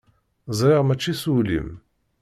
Ẓriɣ mačči s wul-im.